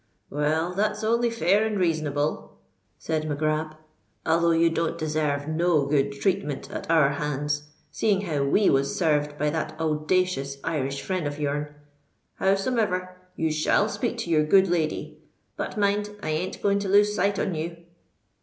"Well, that's only fair and reasonable," said Mac Grab; "although you don't deserve no good treatment at our hands, seeing how we was served by that owdacious Irish friend of yourn. Howsomever, you shall speak to your good lady; but mind, I ain't going to lose sight on you."